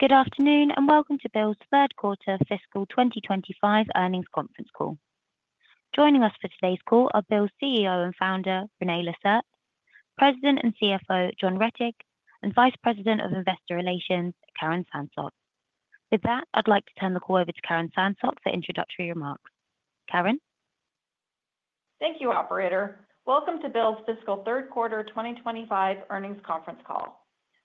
Good afternoon and welcome to BILL's third quarter fiscal 2025 earnings conference call. Joining us for today's call are BILL's CEO and founder, René Lacerte, President and CFO, John Rettig, and Vice President of Investor Relations, Karen Sansot. With that, I'd like to turn the call over to Karen Sansot for introductory remarks. Karen? Thank you, Operator. Welcome to BILL's fiscal third quarter 2025 earnings conference call.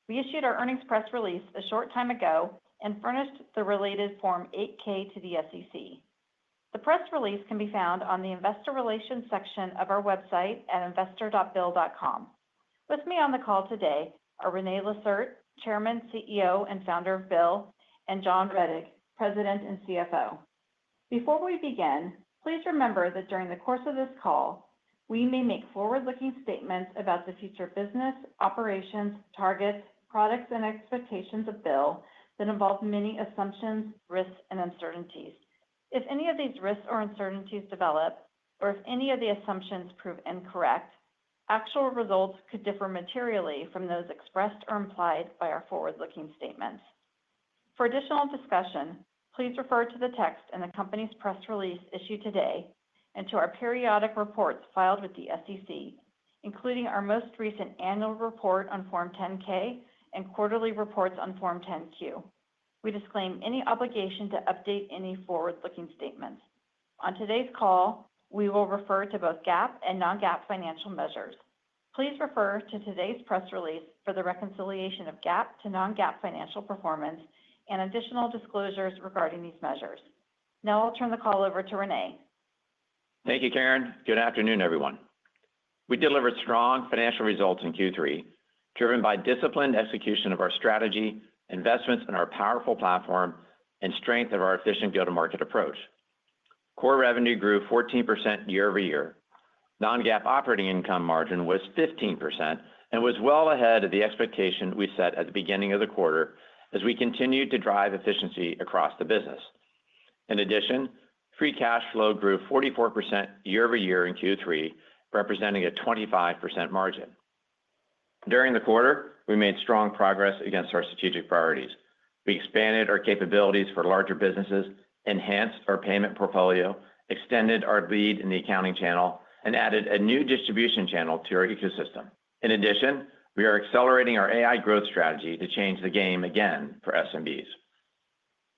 We issued our earnings press release a short time ago and furnished the related Form 8K to the SEC. The press release can be found on the Investor Relations section of our website at investor.bill.com. With me on the call today are René Lacerte, Chairman, CEO and founder of BILL, and John Rettig, President and CFO. Before we begin, please remember that during the course of this call, we may make forward-looking statements about the future business, operations, targets, products, and expectations of BILL that involve many assumptions, risks, and uncertainties. If any of these risks or uncertainties develop, or if any of the assumptions prove incorrect, actual results could differ materially from those expressed or implied by our forward-looking statements. For additional discussion, please refer to the text in the company's press release issued today and to our periodic reports filed with the SEC, including our most recent annual report on Form 10K and quarterly reports on Form 10Q. We disclaim any obligation to update any forward-looking statements. On today's call, we will refer to both GAAP and non-GAAP financial measures. Please refer to today's press release for the reconciliation of GAAP to non-GAAP financial performance and additional disclosures regarding these measures. Now I'll turn the call over to René. Thank you, Karen. Good afternoon, everyone. We delivered strong financial results in Q3, driven by disciplined execution of our strategy, investments in our powerful platform, and strength of our efficient go-to-market approach. Core revenue grew 14% year over year. Non-GAAP operating income margin was 15% and was well ahead of the expectation we set at the beginning of the quarter as we continued to drive efficiency across the business. In addition, free cash flow grew 44% year over year in Q3, representing a 25% margin. During the quarter, we made strong progress against our strategic priorities. We expanded our capabilities for larger businesses, enhanced our payment portfolio, extended our lead in the accounting channel, and added a new distribution channel to our ecosystem. In addition, we are accelerating our AI growth strategy to change the game again for SMBs.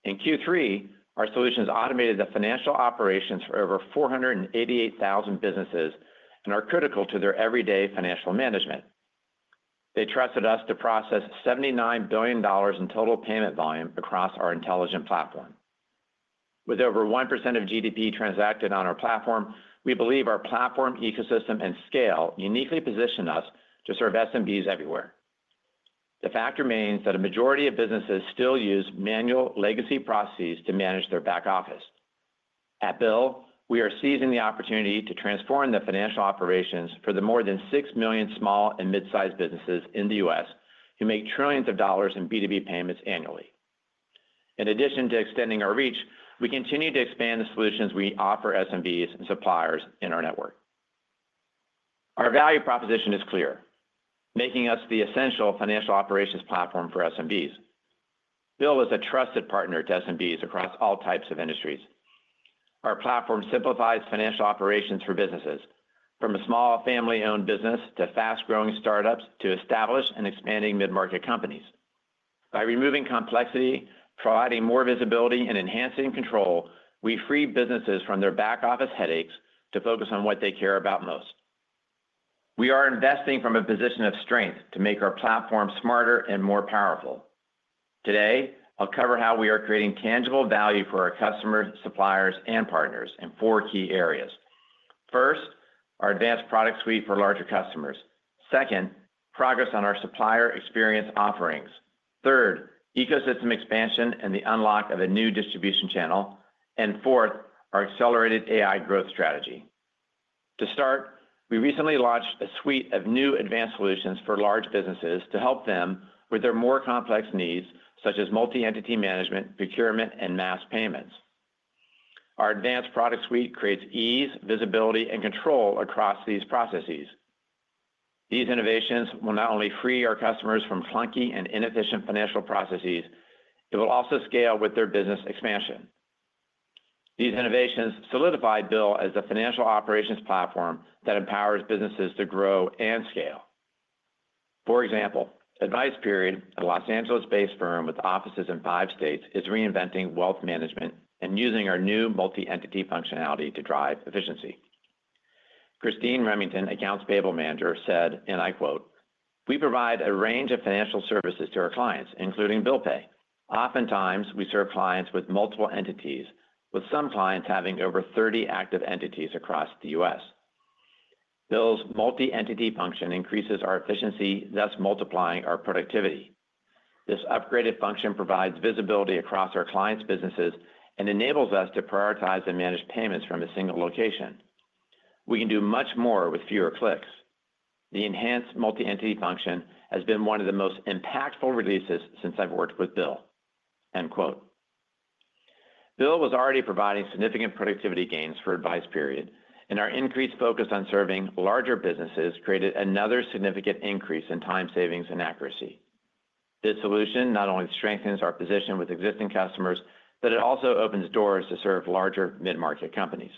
In Q3, our solutions automated the financial operations for over 488,000 businesses and are critical to their everyday financial management. They trusted us to process $79 billion in total payment volume across our intelligent platform. With over 1% of U.S. GDP transacted on our platform, we believe our platform ecosystem and scale uniquely position us to serve SMBs everywhere. The fact remains that a majority of businesses still use manual legacy processes to manage their back office. At BILL, we are seizing the opportunity to transform the financial operations for the more than 6 million small and mid-sized businesses in the United States who make trillions of dollars in B2B payments annually. In addition to extending our reach, we continue to expand the solutions we offer SMBs and suppliers in our network. Our value proposition is clear, making us the essential financial operations platform for SMBs. BILL is a trusted partner to SMBs across all types of industries. Our platform simplifies financial operations for businesses, from a small family-owned business to fast-growing startups to established and expanding mid-market companies. By removing complexity, providing more visibility, and enhancing control, we free businesses from their back office headaches to focus on what they care about most. We are investing from a position of strength to make our platform smarter and more powerful. Today, I'll cover how we are creating tangible value for our customers, suppliers, and partners in four key areas. First, our advanced product suite for larger customers. Second, progress on our supplier experience offerings. Third, ecosystem expansion and the unlock of a new distribution channel. Fourth, our accelerated AI growth strategy. To start, we recently launched a suite of new advanced solutions for large businesses to help them with their more complex needs, such as multi-entity management, procurement, and mass payments. Our advanced product suite creates ease, visibility, and control across these processes. These innovations will not only free our customers from clunky and inefficient financial processes, it will also scale with their business expansion. These innovations solidify BILL as the financial operations platform that empowers businesses to grow and scale. For example, AdvicePeriod, a Los Angeles-based firm with offices in five states, is reinventing wealth management and using our new multi-entity functionality to drive efficiency. Christine Remington, Accounts Payable Manager, said, and I quote, "We provide a range of financial services to our clients, including Bill Pay. Oftentimes, we serve clients with multiple entities, with some clients having over 30 active entities across the U.S. BILL's multi-entity function increases our efficiency, thus multiplying our productivity. This upgraded function provides visibility across our clients' businesses and enables us to prioritize and manage payments from a single location. We can do much more with fewer clicks. The enhanced multi-entity function has been one of the most impactful releases since I've worked with BILL. BILL was already providing significant productivity gains for AdvicePeriod, and our increased focus on serving larger businesses created another significant increase in time savings and accuracy. This solution not only strengthens our position with existing customers, but it also opens doors to serve larger mid-market companies.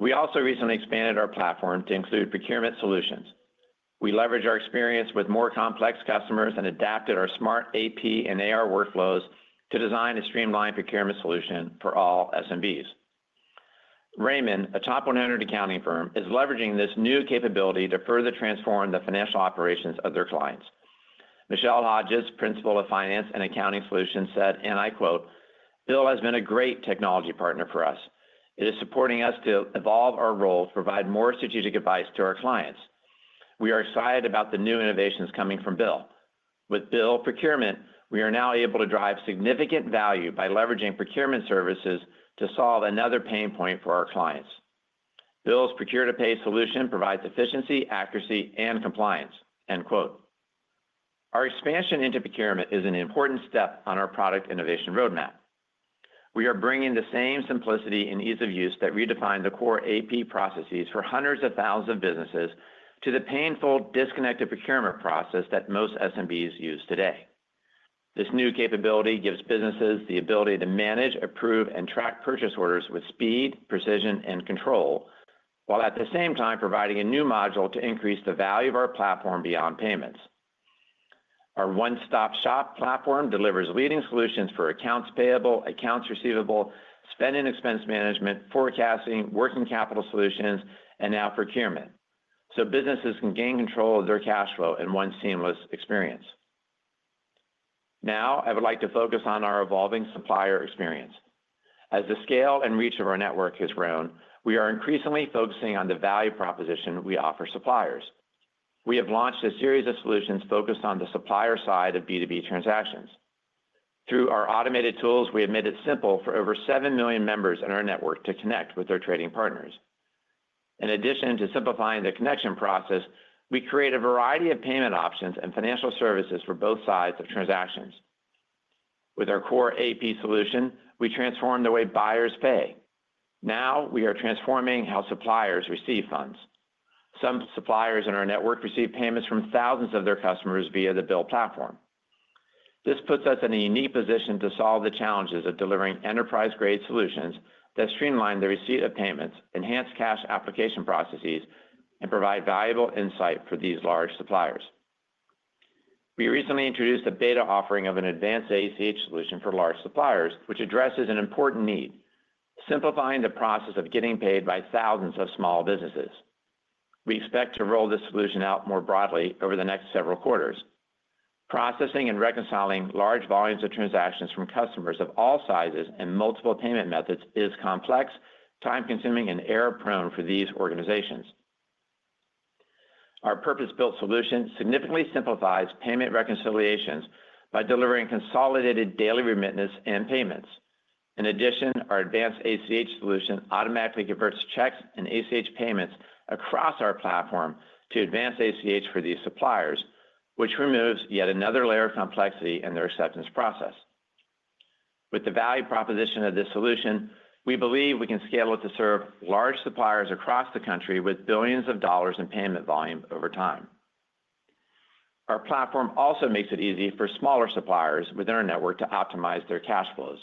We also recently expanded our platform to include procurement solutions. We leverage our experience with more complex customers and adapted our smart AP and AR workflows to design a streamlined procurement solution for all SMBs. Raymond, a top 100 accounting firm, is leveraging this new capability to further transform the financial operations of their clients. Michelle Hodges, Principal of Finance and Accounting Solutions, said, and I quote, "BILL has been a great technology partner for us. It is supporting us to evolve our role to provide more strategic advice to our clients. We are excited about the new innovations coming from BILL. With BILL Procurement, we are now able to drive significant value by leveraging procurement services to solve another pain point for our clients. BILL's procure-to-pay solution provides efficiency, accuracy, and compliance." Our expansion into procurement is an important step on our product innovation roadmap. We are bringing the same simplicity and ease of use that redefined the core AP processes for hundreds of thousands of businesses to the painful disconnected procurement process that most SMBs use today. This new capability gives businesses the ability to manage, approve, and track purchase orders with speed, precision, and control, while at the same time providing a new module to increase the value of our platform beyond payments. Our one-stop-shop platform delivers leading solutions for accounts payable, accounts receivable, spend and expense management, forecasting, working capital solutions, and now procurement, so businesses can gain control of their cash flow in one seamless experience. Now, I would like to focus on our evolving supplier experience. As the scale and reach of our network has grown, we are increasingly focusing on the value proposition we offer suppliers. We have launched a series of solutions focused on the supplier side of B2B transactions. Through our automated tools, we have made it simple for over 7 million members in our network to connect with their trading partners. In addition to simplifying the connection process, we create a variety of payment options and financial services for both sides of transactions. With our core AP solution, we transform the way buyers pay. Now, we are transforming how suppliers receive funds. Some suppliers in our network receive payments from thousands of their customers via the BILL platform. This puts us in a unique position to solve the challenges of delivering enterprise-grade solutions that streamline the receipt of payments, enhance cash application processes, and provide valuable insight for these large suppliers. We recently introduced a beta offering of an Advanced ACH solution for large suppliers, which addresses an important need: simplifying the process of getting paid by thousands of small businesses. We expect to roll this solution out more broadly over the next several quarters. Processing and reconciling large volumes of transactions from customers of all sizes and multiple payment methods is complex, time-consuming, and error-prone for these organizations. Our purpose-built solution significantly simplifies payment reconciliations by delivering consolidated daily remittance and payments. In addition, our advanced ACH solution automatically converts checks and ACH payments across our platform to advanced ACH for these suppliers, which removes yet another layer of complexity in the receptance process. With the value proposition of this solution, we believe we can scale it to serve large suppliers across the country with billions of dollars in payment volume over time. Our platform also makes it easy for smaller suppliers within our network to optimize their cash flows.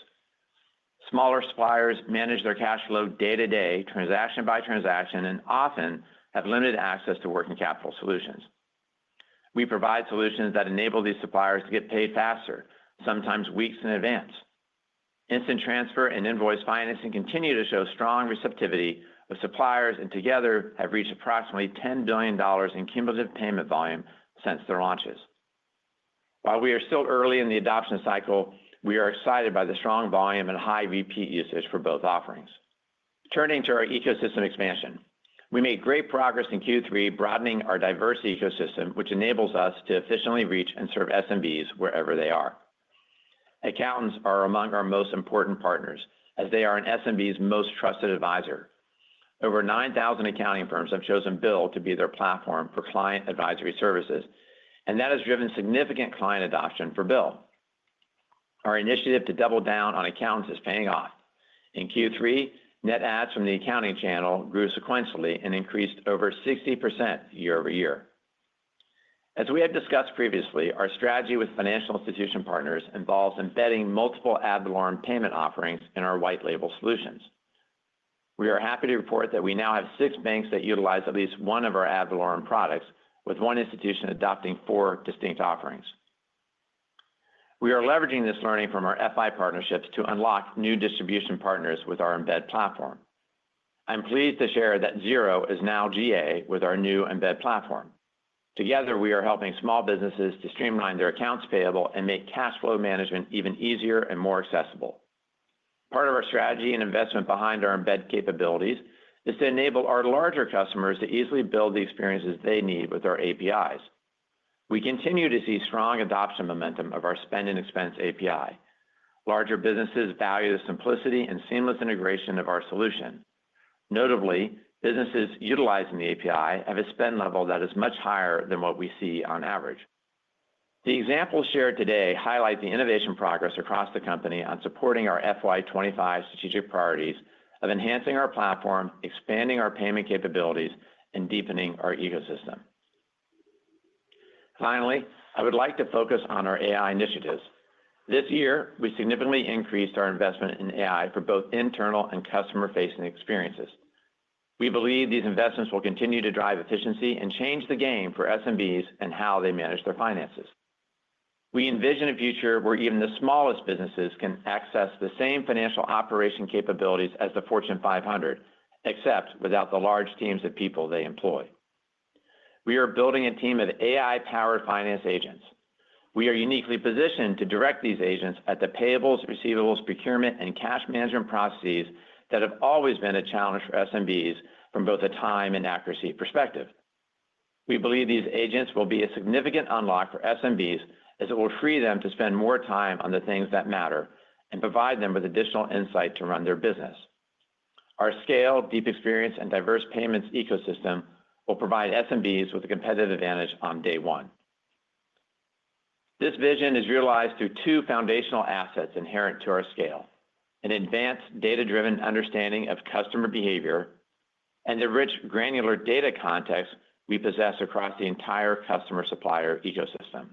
Smaller suppliers manage their cash flow day-to-day, transaction by transaction, and often have limited access to working capital solutions. We provide solutions that enable these suppliers to get paid faster, sometimes weeks in advance. Instant Transfer and Invoice Financing continue to show strong receptivity of suppliers and together have reached approximately $10 billion in cumulative payment volume since their launches. While we are still early in the adoption cycle, we are excited by the strong volume and high repeat usage for both offerings. Turning to our ecosystem expansion, we made great progress in Q3 broadening our diverse ecosystem, which enables us to efficiently reach and serve SMBs wherever they are. Accountants are among our most important partners as they are an SMB's most trusted advisor. Over 9,000 accounting firms have chosen BILL to be their platform for client advisory services, and that has driven significant client adoption for BILL. Our initiative to double down on accountants is paying off. In Q3, net adds from the accounting channel grew sequentially and increased over 60% year over year. As we have discussed previously, our strategy with financial institution partners involves embedding multiple Ad Valorem payment offerings in our white-label solutions. We are happy to report that we now have six banks that utilize at least one of our Ad Valorem products, with one institution adopting four distinct offerings. We are leveraging this learning from our FI partnerships to unlock new distribution partners with our embedded platform. I'm pleased to share that Xero is now GA with our new embedded platform. Together, we are helping small businesses to streamline their accounts payable and make cash flow management even easier and more accessible. Part of our strategy and investment behind our embedded capabilities is to enable our larger customers to easily build the experiences they need with our APIs. We continue to see strong adoption momentum of our spend and expense API. Larger businesses value the simplicity and seamless integration of our solution. Notably, businesses utilizing the API have a spend level that is much higher than what we see on average. The examples shared today highlight the innovation progress across the company on supporting our FY 2025 strategic priorities of enhancing our platform, expanding our payment capabilities, and deepening our ecosystem. Finally, I would like to focus on our AI initiatives. This year, we significantly increased our investment in AI for both internal and customer-facing experiences. We believe these investments will continue to drive efficiency and change the game for SMBs and how they manage their finances. We envision a future where even the smallest businesses can access the same financial operation capabilities as the Fortune 500, except without the large teams of people they employ. We are building a team of AI-powered finance agents. We are uniquely positioned to direct these agents at the payables, receivables, procurement, and cash management processes that have always been a challenge for SMBs from both a time and accuracy perspective. We believe these agents will be a significant unlock for SMBs as it will free them to spend more time on the things that matter and provide them with additional insight to run their business. Our scale, deep experience, and diverse payments ecosystem will provide SMBs with a competitive advantage on day one. This vision is realized through two foundational assets inherent to our scale: an advanced data-driven understanding of customer behavior and the rich granular data context we possess across the entire customer-supplier ecosystem.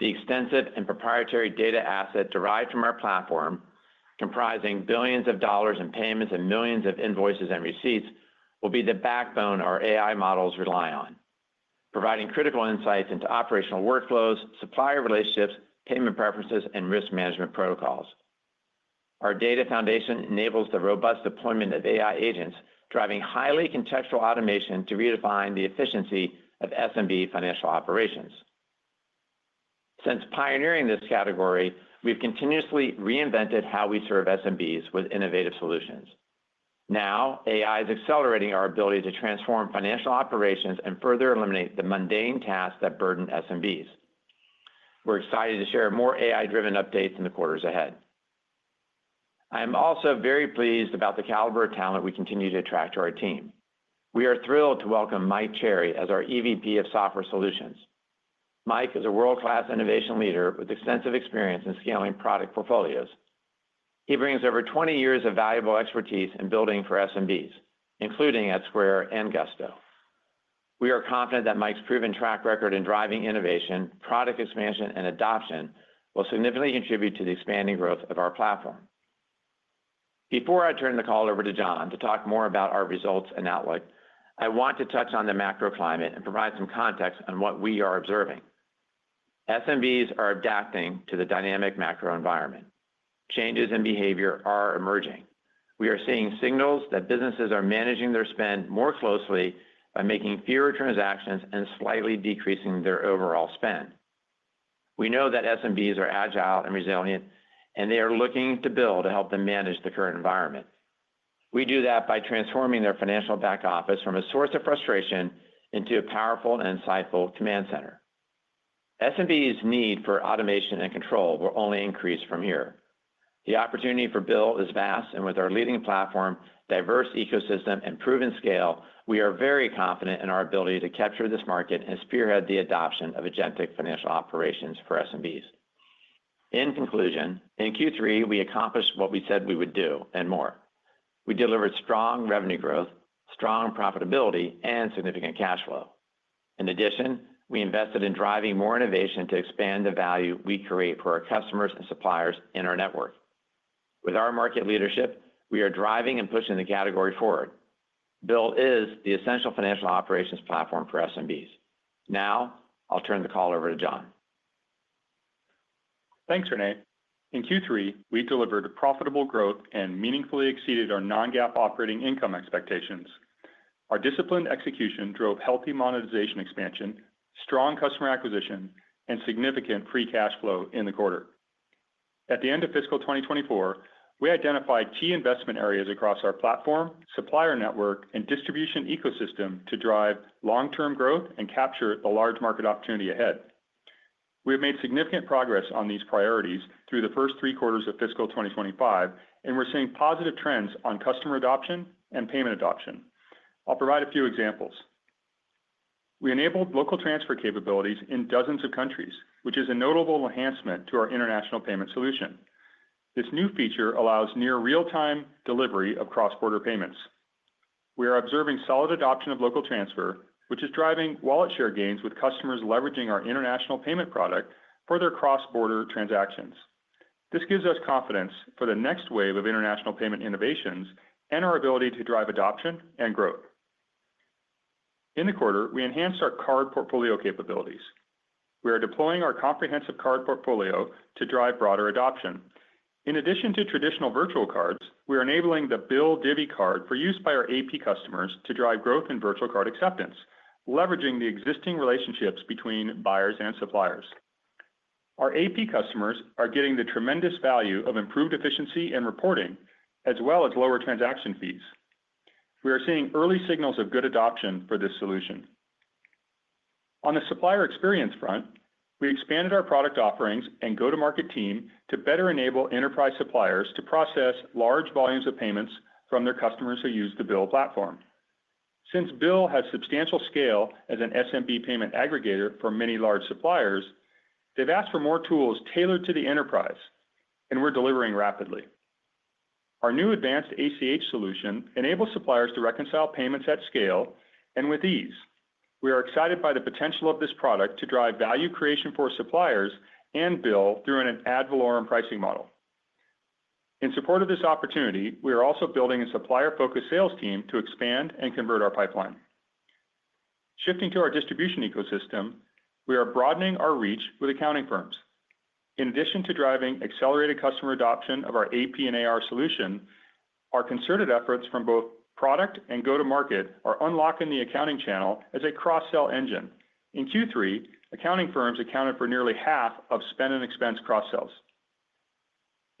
The extensive and proprietary data asset derived from our platform, comprising billions of dollars in payments and millions of invoices and receipts, will be the backbone our AI models rely on, providing critical insights into operational workflows, supplier relationships, payment preferences, and risk management protocols. Our data foundation enables the robust deployment of AI agents, driving highly contextual automation to redefine the efficiency of SMB financial operations. Since pioneering this category, we've continuously reinvented how we serve SMBs with innovative solutions. Now, AI is accelerating our ability to transform financial operations and further eliminate the mundane tasks that burden SMBs. We're excited to share more AI-driven updates in the quarters ahead. I am also very pleased about the caliber of talent we continue to attract to our team. We are thrilled to welcome Mike Cherry as our EVP of Software Solutions. Mike is a world-class innovation leader with extensive experience in scaling product portfolios. He brings over 20 years of valuable expertise in building for SMBs, including at Square and Gusto. We are confident that Mike's proven track record in driving innovation, product expansion, and adoption will significantly contribute to the expanding growth of our platform. Before I turn the call over to John to talk more about our results and outlook, I want to touch on the macroclimate and provide some context on what we are observing. SMBs are adapting to the dynamic macro environment. Changes in behavior are emerging. We are seeing signals that businesses are managing their spend more closely by making fewer transactions and slightly decreasing their overall spend. We know that SMBs are agile and resilient, and they are looking to BILL to help them manage the current environment. We do that by transforming their financial back office from a source of frustration into a powerful and insightful command center. SMBs' need for automation and control will only increase from here. The opportunity for BILL is vast, and with our leading platform, diverse ecosystem, and proven scale, we are very confident in our ability to capture this market and spearhead the adoption of agentic financial operations for SMBs. In conclusion, in Q3, we accomplished what we said we would do and more. We delivered strong revenue growth, strong profitability, and significant cash flow. In addition, we invested in driving more innovation to expand the value we create for our customers and suppliers in our network. With our market leadership, we are driving and pushing the category forward. BILL is the essential financial operations platform for SMBs. Now, I'll turn the call over to John. Thanks, René. In Q3, we delivered profitable growth and meaningfully exceeded our non-GAAP operating income expectations. Our disciplined execution drove healthy monetization expansion, strong customer acquisition, and significant free cash flow in the quarter. At the end of fiscal 2024, we identified key investment areas across our platform, supplier network, and distribution ecosystem to drive long-term growth and capture the large market opportunity ahead. We have made significant progress on these priorities through the first three quarters of fiscal 2025, and we're seeing positive trends on customer adoption and payment adoption. I'll provide a few examples. We enabled local transfer capabilities in dozens of countries, which is a notable enhancement to our international payment solution. This new feature allows near real-time delivery of cross-border payments. We are observing solid adoption of local transfer, which is driving wallet share gains with customers leveraging our international payment product for their cross-border transactions. This gives us confidence for the next wave of international payment innovations and our ability to drive adoption and growth. In the quarter, we enhanced our card portfolio capabilities. We are deploying our comprehensive card portfolio to drive broader adoption. In addition to traditional virtual cards, we are enabling the BILL Divvy card for use by our AP customers to drive growth in virtual card acceptance, leveraging the existing relationships between buyers and suppliers. Our AP customers are getting the tremendous value of improved efficiency and reporting, as well as lower transaction fees. We are seeing early signals of good adoption for this solution. On the supplier experience front, we expanded our product offerings and go-to-market team to better enable enterprise suppliers to process large volumes of payments from their customers who use the BILL platform. Since BILL has substantial scale as an SMB payment aggregator for many large suppliers, they've asked for more tools tailored to the enterprise, and we're delivering rapidly. Our new Advanced ACH solution enables suppliers to reconcile payments at scale and with ease. We are excited by the potential of this product to drive value creation for suppliers and BILL through an Ad Valorem pricing model. In support of this opportunity, we are also building a supplier-focused sales team to expand and convert our pipeline. Shifting to our distribution ecosystem, we are broadening our reach with accounting firms. In addition to driving accelerated customer adoption of our AP and AR solution, our concerted efforts from both product and go-to-market are unlocking the accounting channel as a cross-sell engine. In Q3, accounting firms accounted for nearly half of spend and expense cross-sells.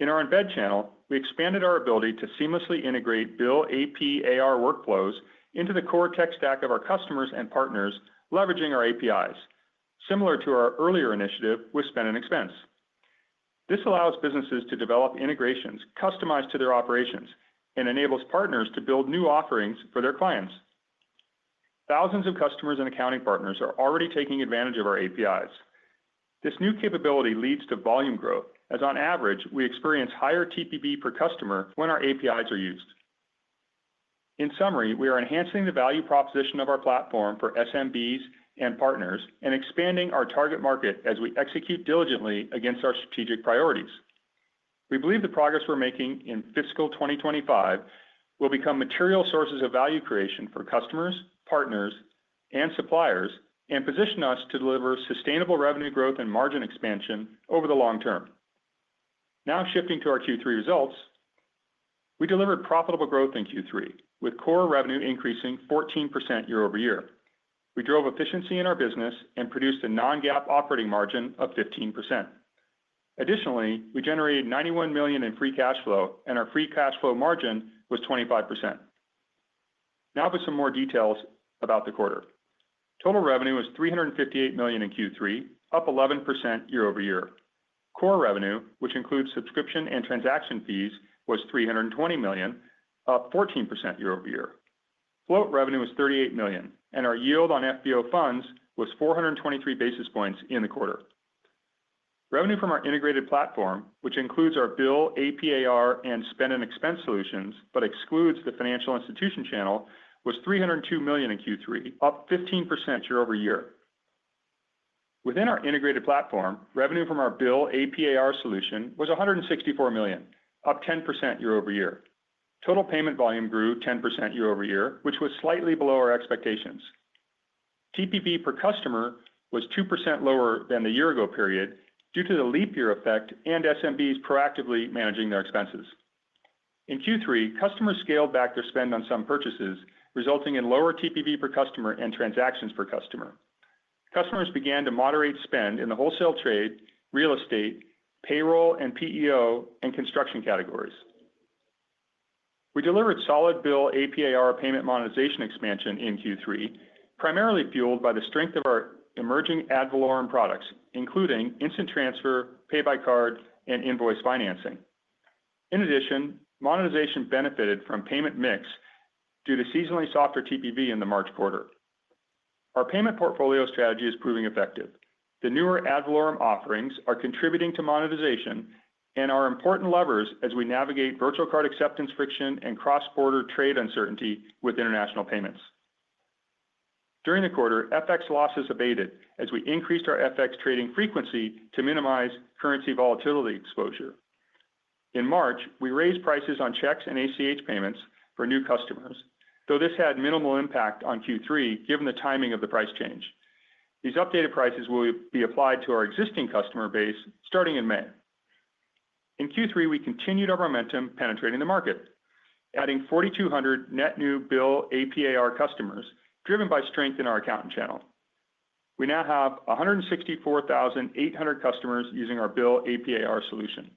In our embedded channel, we expanded our ability to seamlessly integrate BILL AP AR workflows into the core tech stack of our customers and partners, leveraging our APIs, similar to our earlier initiative with spend and expense. This allows businesses to develop integrations customized to their operations and enables partners to build new offerings for their clients. Thousands of customers and accounting partners are already taking advantage of our APIs. This new capability leads to volume growth, as on average, we experience higher TPV per customer when our APIs are used. In summary, we are enhancing the value proposition of our platform for SMBs and partners and expanding our target market as we execute diligently against our strategic priorities. We believe the progress we're making in fiscal 2025 will become material sources of value creation for customers, partners, and suppliers and position us to deliver sustainable revenue growth and margin expansion over the long term. Now, shifting to our Q3 results, we delivered profitable growth in Q3, with core revenue increasing 14% year over year. We drove efficiency in our business and produced a non-GAAP operating margin of 15%. Additionally, we generated $91 million in free cash flow, and our free cash flow margin was 25%. Now, for some more details about the quarter. Total revenue was $358 million in Q3, up 11% year over year. Core revenue, which includes subscription and transaction fees, was $320 million, up 14% year over year. Float revenue was $38 million, and our yield on FBO funds was 423 basis points in the quarter. Revenue from our integrated platform, which includes our BILL AP AR and spend and expense solutions but excludes the financial institution channel, was $302 million in Q3, up 15% year over year. Within our integrated platform, revenue from our BILL AP AR solution was $164 million, up 10% year over year. Total payment volume grew 10% year over year, which was slightly below our expectations. TPV per customer was 2% lower than the year-ago period due to the leap year effect and SMBs proactively managing their expenses. In Q3, customers scaled back their spend on some purchases, resulting in lower TPV per customer and transactions per customer. Customers began to moderate spend in the wholesale trade, real estate, payroll, and PEO and construction categories. We delivered solid BILL AP AR payment monetization expansion in Q3, primarily fueled by the strength of our emerging Ad Valorem products, including Instant Transfer, Pay-by-Card, and Invoice Financing. In addition, monetization benefited from payment mix due to seasonally softer TPV in the March quarter. Our payment portfolio strategy is proving effective. The newer Ad Valorem offerings are contributing to monetization and are important levers as we navigate virtual card acceptance friction and cross-border trade uncertainty with international payments. During the quarter, FX losses abated as we increased our FX trading frequency to minimize currency volatility exposure. In March, we raised prices on checks and ACH payments for new customers, though this had minimal impact on Q3 given the timing of the price change. These updated prices will be applied to our existing customer base starting in May. In Q3, we continued our momentum penetrating the market, adding 4,200 net new BILL AP AR customers driven by strength in our accounting channel. We now have 164,800 customers using our BILL AP AR solution.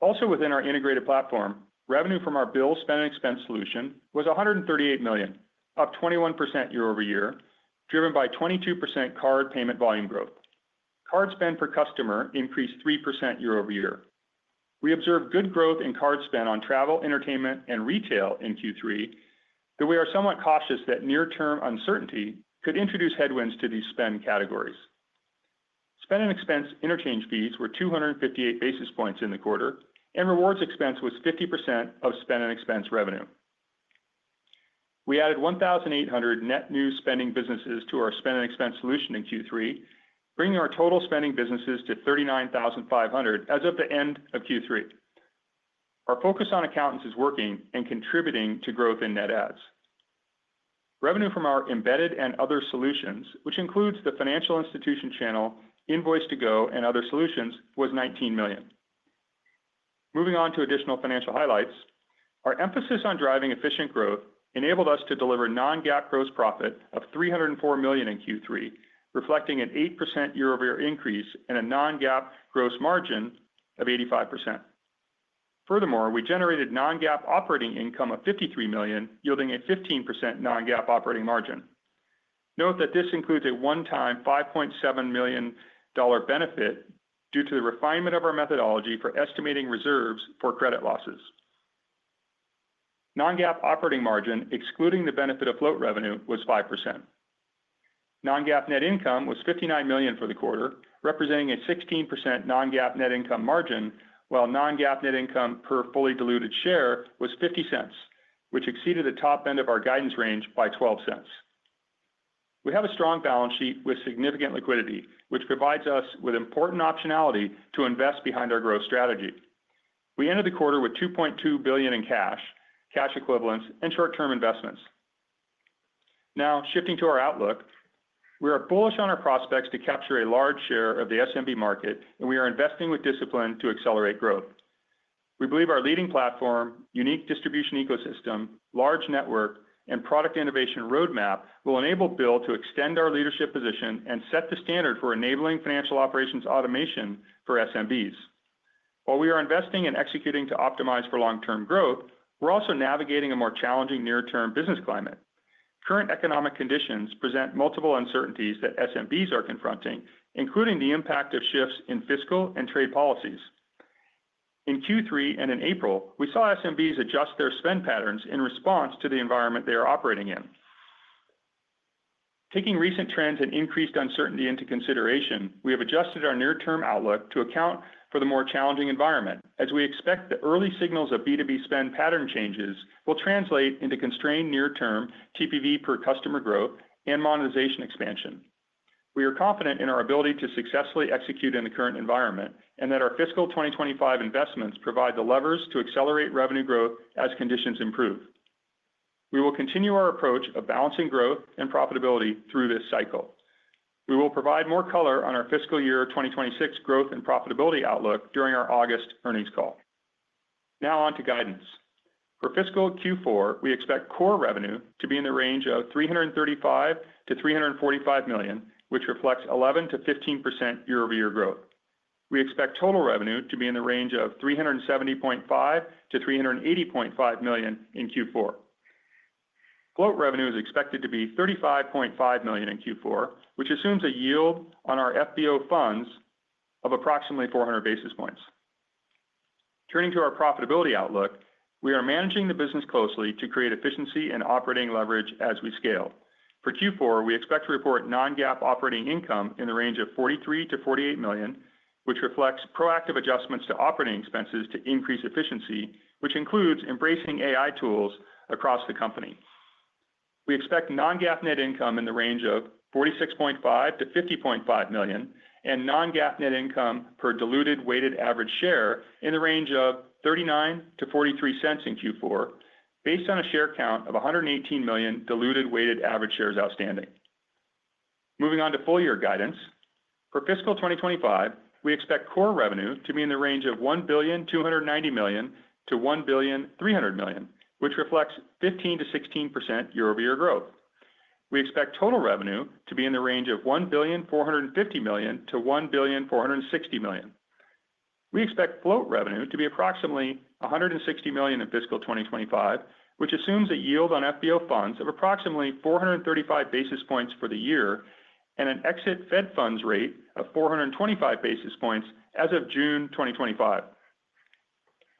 Also, within our integrated platform, revenue from our BILL Spend and Expense solution was $138 million, up 21% year over year, driven by 22% card payment volume growth. Card spend per customer increased 3% year over year. We observed good growth in card spend on travel, entertainment, and retail in Q3, though we are somewhat cautious that near-term uncertainty could introduce headwinds to these spend categories. Spend and expense interchange fees were 258 basis points in the quarter, and rewards expense was 50% of spend and expense revenue. We added 1,800 net new spending businesses to our spend and expense solution in Q3, bringing our total spending businesses to 39,500 as of the end of Q3. Our focus on accountants is working and contributing to growth in net adds. Revenue from our embedded and other solutions, which includes the financial institution channel, Invoice2go, and other solutions, was $19 million. Moving on to additional financial highlights, our emphasis on driving efficient growth enabled us to deliver non-GAAP gross profit of $304 million in Q3, reflecting an 8% year-over-year increase and a non-GAAP gross margin of 85%. Furthermore, we generated non-GAAP operating income of $53 million, yielding a 15% non-GAAP operating margin. Note that this includes a one-time $5.7 million benefit due to the refinement of our methodology for estimating reserves for credit losses. Non-GAAP operating margin, excluding the benefit of float revenue, was 5%. Non-GAAP net income was $59 million for the quarter, representing a 16% non-GAAP net income margin, while non-GAAP net income per fully diluted share was $0.50, which exceeded the top end of our guidance range by $0.12. We have a strong balance sheet with significant liquidity, which provides us with important optionality to invest behind our growth strategy. We ended the quarter with $2.2 billion in cash, cash equivalents, and short-term investments. Now, shifting to our outlook, we are bullish on our prospects to capture a large share of the SMB market, and we are investing with discipline to accelerate growth. We believe our leading platform, unique distribution ecosystem, large network, and product innovation roadmap will enable BILL to extend our leadership position and set the standard for enabling financial operations automation for SMBs. While we are investing and executing to optimize for long-term growth, we're also navigating a more challenging near-term business climate. Current economic conditions present multiple uncertainties that SMBs are confronting, including the impact of shifts in fiscal and trade policies. In Q3 and in April, we saw SMBs adjust their spend patterns in response to the environment they are operating in. Taking recent trends and increased uncertainty into consideration, we have adjusted our near-term outlook to account for the more challenging environment, as we expect the early signals of B2B spend pattern changes will translate into constrained near-term TPV per customer growth and monetization expansion. We are confident in our ability to successfully execute in the current environment and that our fiscal 2025 investments provide the levers to accelerate revenue growth as conditions improve. We will continue our approach of balancing growth and profitability through this cycle. We will provide more color on our fiscal year 2026 growth and profitability outlook during our August earnings call. Now, on to guidance. For fiscal Q4, we expect core revenue to be in the range of $335 million-$345 million, which reflects 11%-15% year-over-year growth. We expect total revenue to be in the range of $370.5 million-$380.5 million in Q4. Float revenue is expected to be $35.5 million in Q4, which assumes a yield on our FBO funds of approximately 400 basis points. Turning to our profitability outlook, we are managing the business closely to create efficiency and operating leverage as we scale. For Q4, we expect to report non-GAAP operating income in the range of $43 million-$48 million, which reflects proactive adjustments to operating expenses to increase efficiency, which includes embracing AI tools across the company. We expect non-GAAP net income in the range of $46.5 million-$50.5 million and non-GAAP net income per diluted weighted average share in the range of $0.39-$0.43 in Q4, based on a share count of 118 million diluted weighted average shares outstanding. Moving on to full-year guidance. For fiscal 2025, we expect core revenue to be in the range of $1,290 million-$1,300 million, which reflects 15%-16% year-over-year growth. We expect total revenue to be in the range of $1,450 million-$1,460 million. We expect float revenue to be approximately $160 million in fiscal 2025, which assumes a yield on FBO funds of approximately 435 basis points for the year and an exit Fed funds rate of 425 basis points as of June 2025.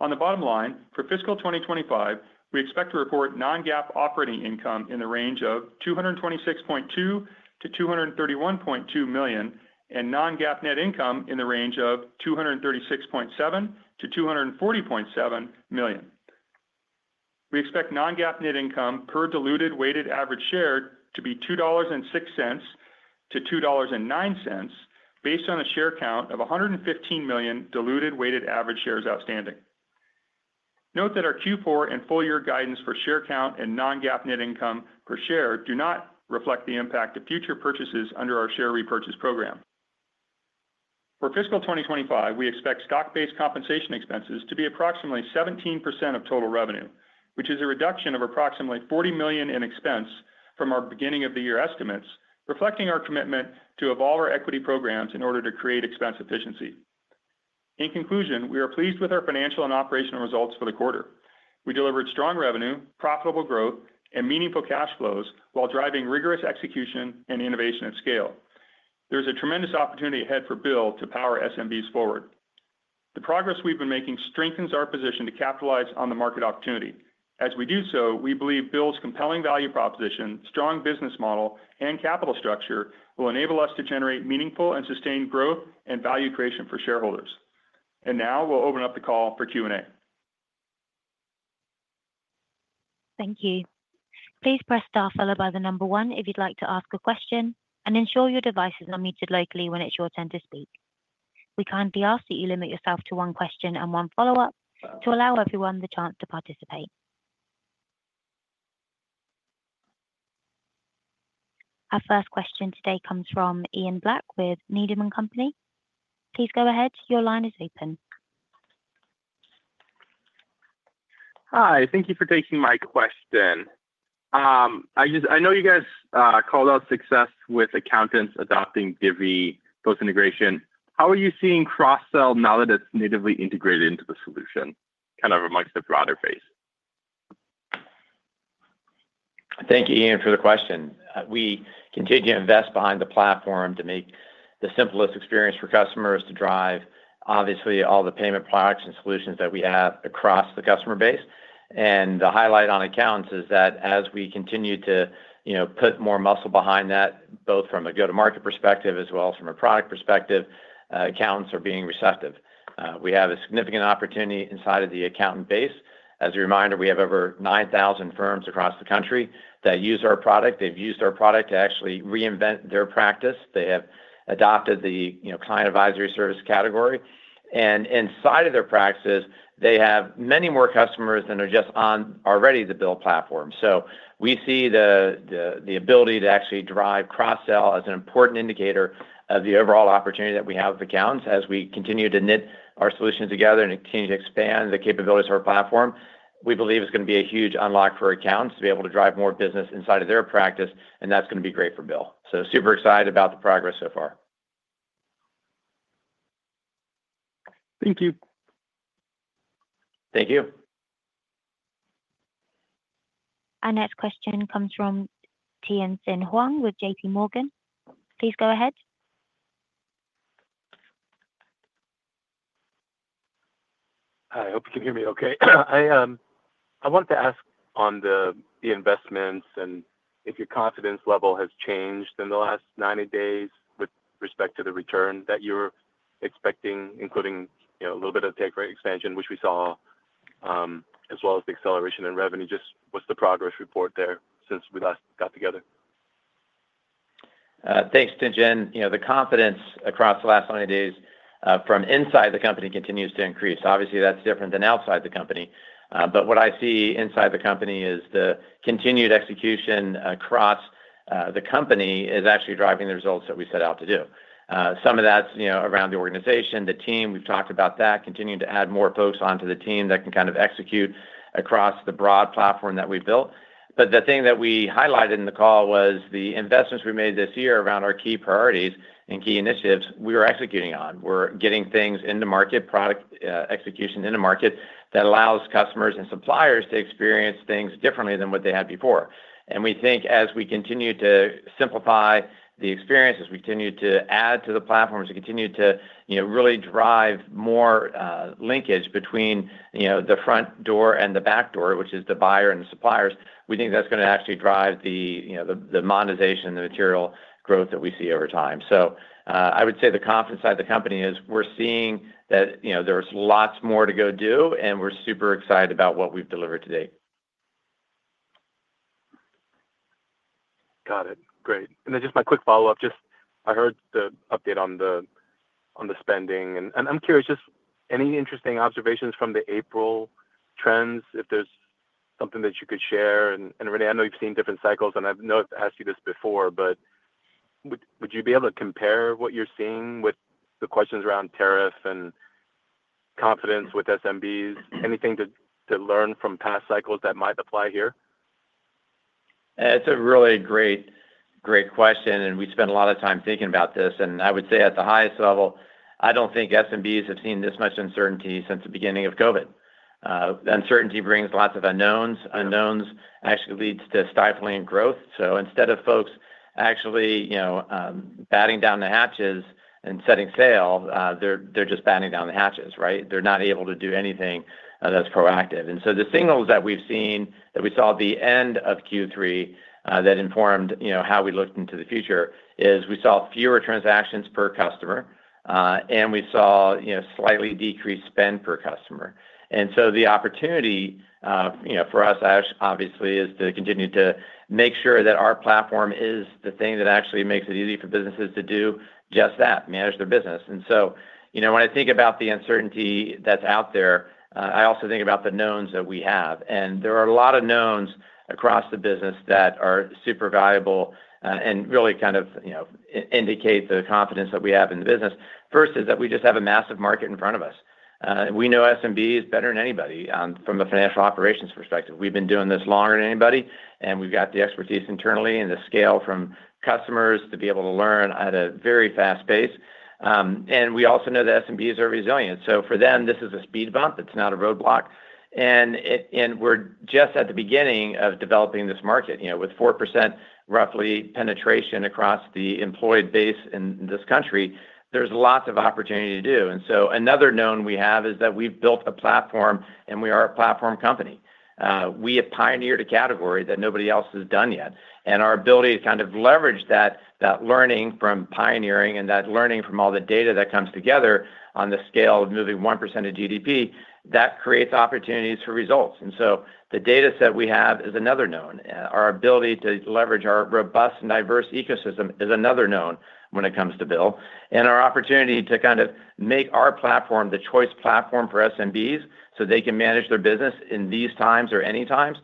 On the bottom line, for fiscal 2025, we expect to report non-GAAP operating income in the range of $226.2 million-$231.2 million and non-GAAP net income in the range of $236.7 million-$240.7 million. We expect non-GAAP net income per diluted weighted average share to be $2.06-$2.09, based on a share count of 115 million diluted weighted average shares outstanding. Note that our Q4 and full-year guidance for share count and non-GAAP net income per share do not reflect the impact of future purchases under our share repurchase program. For fiscal 2025, we expect stock-based compensation expenses to be approximately 17% of total revenue, which is a reduction of approximately $40 million in expense from our beginning of the year estimates, reflecting our commitment to evolve our equity programs in order to create expense efficiency. In conclusion, we are pleased with our financial and operational results for the quarter. We delivered strong revenue, profitable growth, and meaningful cash flows while driving rigorous execution and innovation at scale. There is a tremendous opportunity ahead for BILL to power SMBs forward. The progress we've been making strengthens our position to capitalize on the market opportunity. As we do so, we believe BILL's compelling value proposition, strong business model, and capital structure will enable us to generate meaningful and sustained growth and value creation for shareholders. Now, we'll open up the call for Q&A. Thank you. Please press star followed by the number one if you'd like to ask a question, and ensure your device is not muted locally when it's your turn to speak. We kindly ask that you limit yourself to one question and one follow-up to allow everyone the chance to participate. Our first question today comes from Ian Black with Needham & Company. Please go ahead. Your line is open. Hi. Thank you for taking my question. I know you guys called out success with accountants adopting Divvy post-integration. How are you seeing cross-sell now that it's natively integrated into the solution, kind of amongst the broader phase? Thank you, Ian, for the question. We continue to invest behind the platform to make the simplest experience for customers to drive, obviously, all the payment products and solutions that we have across the customer base. The highlight on accountants is that as we continue to put more muscle behind that, both from a go-to-market perspective as well as from a product perspective, accountants are being receptive. We have a significant opportunity inside of the accountant base. As a reminder, we have over 9,000 firms across the country that use our product. They've used our product to actually reinvent their practice. They have adopted the client advisory service category. Inside of their practices, they have many more customers than are just on already the BILL platform. We see the ability to actually drive cross-sell as an important indicator of the overall opportunity that we have with accountants as we continue to knit our solution together and continue to expand the capabilities of our platform. We believe it's going to be a huge unlock for accountants to be able to drive more business inside of their practice, and that's going to be great for BILL. Super excited about the progress so far. Thank you. Thank you. Our next question comes from Tien-tsin Huang with JP Morgan. Please go ahead. Hi. I hope you can hear me okay. I wanted to ask on the investments and if your confidence level has changed in the last 90 days with respect to the return that you're expecting, including a little bit of tech rate expansion, which we saw, as well as the acceleration in revenue. Just what's the progress report there since we last got together? Thanks, Tien-tsin. The confidence across the last 90 days from inside the company continues to increase. Obviously, that's different than outside the company. What I see inside the company is the continued execution across the company is actually driving the results that we set out to do. Some of that's around the organization, the team. We've talked about that, continuing to add more folks onto the team that can kind of execute across the broad platform that we've built. The thing that we highlighted in the call was the investments we made this year around our key priorities and key initiatives we were executing on. We are getting things into market, product execution into market that allows customers and suppliers to experience things differently than what they had before. We think as we continue to simplify the experiences, we continue to add to the platforms, we continue to really drive more linkage between the front door and the back door, which is the buyer and the suppliers, we think that is going to actually drive the monetization and the material growth that we see over time. I would say the confidence side of the company is we are seeing that there is lots more to go do, and we are super excited about what we have delivered today. Got it. Great. And then just my quick follow-up. Just I heard the update on the spending. I'm curious, just any interesting observations from the April trends, if there's something that you could share? René, I know you've seen different cycles, and I've asked you this before, but would you be able to compare what you're seeing with the questions around tariff and confidence with SMBs? Anything to learn from past cycles that might apply here? It's a really great question, and we spent a lot of time thinking about this. I would say at the highest level, I don't think SMBs have seen this much uncertainty since the beginning of COVID. Uncertainty brings lots of unknowns. Unknowns actually leads to stifling growth. Instead of folks actually batting down the hatches and setting sail, they're just batting down the hatches, right? They're not able to do anything that's proactive. The signals that we've seen, that we saw at the end of Q3 that informed how we looked into the future, is we saw fewer transactions per customer, and we saw slightly decreased spend per customer. The opportunity for us, obviously, is to continue to make sure that our platform is the thing that actually makes it easy for businesses to do just that, manage their business. When I think about the uncertainty that's out there, I also think about the knowns that we have. There are a lot of knowns across the business that are super valuable and really kind of indicate the confidence that we have in the business. First is that we just have a massive market in front of us. We know SMBs better than anybody from a financial operations perspective. We've been doing this longer than anybody, and we've got the expertise internally and the scale from customers to be able to learn at a very fast pace. We also know that SMBs are resilient. For them, this is a speed bump. It's not a roadblock. We're just at the beginning of developing this market. With 4% roughly penetration across the employed base in this country, there's lots of opportunity to do. Another known we have is that we've built a platform, and we are a platform company. We have pioneered a category that nobody else has done yet. Our ability to kind of leverage that learning from pioneering and that learning from all the data that comes together on the scale of moving 1% of GDP, that creates opportunities for results. The data set we have is another known. Our ability to leverage our robust and diverse ecosystem is another known when it comes to BILL. And our opportunity to kind of make our platform the choice platform for SMBs so they can manage their business in these times or any times,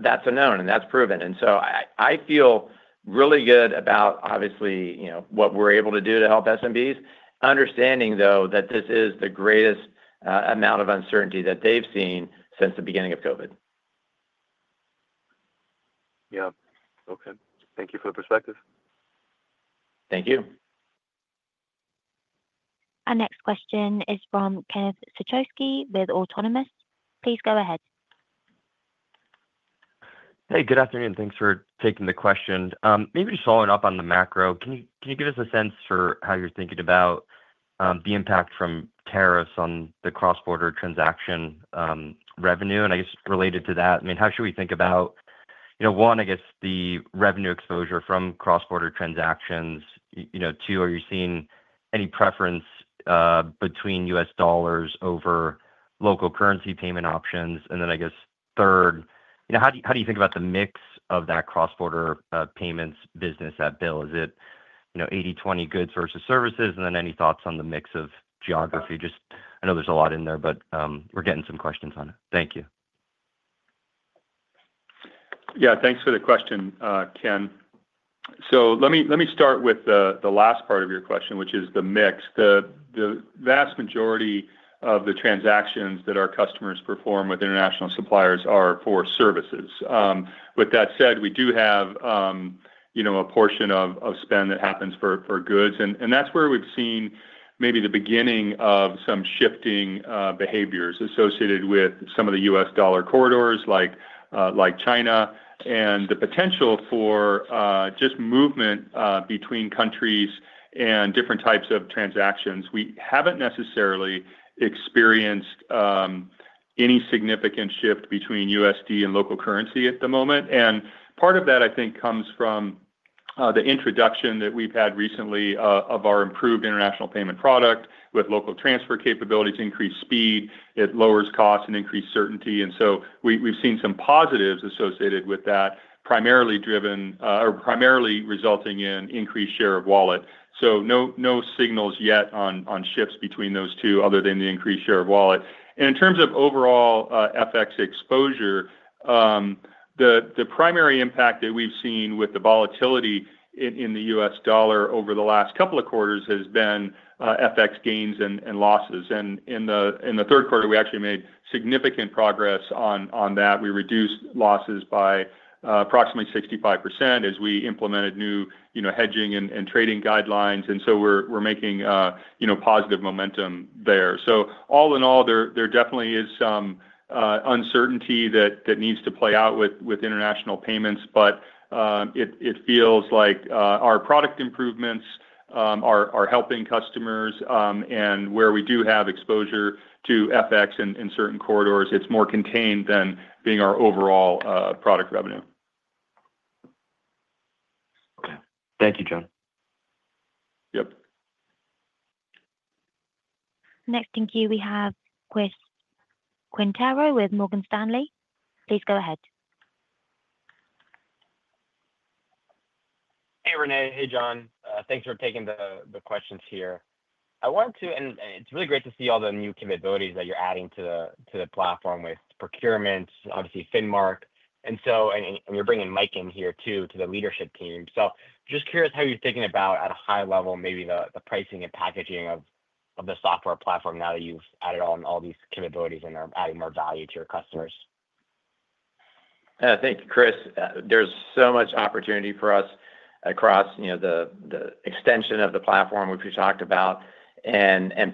that's a known, and that's proven. And so I feel really good about, obviously, what we're able to do to help SMBs, understanding, though, that this is the greatest amount of uncertainty that they've seen since the beginning of COVID. Yep. Okay. Thank you for the perspective. Thank you. Our next question is from Ken Suchoski with Autonomous. Please go ahead. Hey, good afternoon. Thanks for taking the question. Maybe just following up on the macro, can you give us a sense for how you're thinking about the impact from tariffs on the cross-border transaction revenue? I guess related to that, I mean, how should we think about, one, the revenue exposure from cross-border transactions? Two, are you seeing any preference between US dollars over local currency payment options? Third, how do you think about the mix of that cross-border payments business at BILL? Is it 80/20 goods versus services? Any thoughts on the mix of geography? I know there's a lot in there, but we're getting some questions on it. Thank you. Yeah. Thanks for the question, Ken. Let me start with the last part of your question, which is the mix. The vast majority of the transactions that our customers perform with international suppliers are for services. With that said, we do have a portion of spend that happens for goods. That is where we've seen maybe the beginning of some shifting behaviors associated with some of the U.S. dollar corridors like China and the potential for just movement between countries and different types of transactions. We haven't necessarily experienced any significant shift between $USD and local currency at the moment. Part of that, I think, comes from the introduction that we've had recently of our improved international payment product with local transfer capabilities, increased speed. It lowers costs and increased certainty. We've seen some positives associated with that, primarily resulting in increased share of wallet. No signals yet on shifts between those two other than the increased share of wallet. In terms of overall FX exposure, the primary impact that we've seen with the volatility in the U.S. dollar over the last couple of quarters has been FX gains and losses. In the third quarter, we actually made significant progress on that. We reduced losses by approximately 65% as we implemented new hedging and trading guidelines. We are making positive momentum there. All in all, there definitely is some uncertainty that needs to play out with international payments, but it feels like our product improvements are helping customers. Where we do have exposure to FX in certain corridors, it is more contained than being our overall product revenue. Okay. Thank you, John. Yep. Next in queue, we have Chris Quintero with Morgan Stanley. Please go ahead. Hey, René. Hey, John. Thanks for taking the questions here. I wanted to, and it is really great to see all the new capabilities that you are adding to the platform with procurement, obviously, FinMark. You are bringing Mike in here too to the leadership team. Just curious how you're thinking about, at a high level, maybe the pricing and packaging of the software platform now that you've added on all these capabilities and are adding more value to your customers. Thank you, Chris. There's so much opportunity for us across the extension of the platform, which we talked about.